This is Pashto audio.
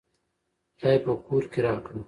خداى په کور کې راکړه